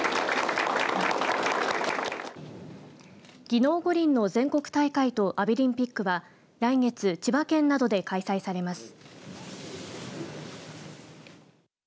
技能五輪の全国大会とアビリンピックは来年千葉県などで開催されます。